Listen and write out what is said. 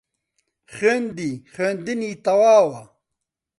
خوێندی خوێندنی تەواوە